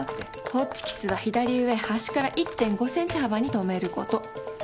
ホチキスは左上端から１．５センチ幅に留めること。